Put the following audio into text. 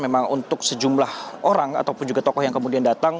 memang untuk sejumlah orang ataupun juga tokoh yang kemudian datang